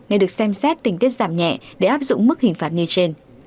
nên được xem xét tình tiết giảm nhẹ để áp dụng mức hình phạt nêu trên